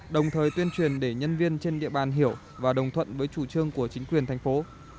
đồng thời tuyên truyền để nhân viên trên địa bàn hiểu và đồng thuận với chủ trương của chính quyền thành phố